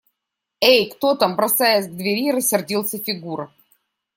– Эй, кто там? – бросаясь к двери, рассердился Фигура.